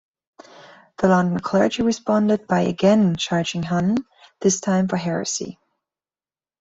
The London clergy responded by again charging Hunne, this time for heresy.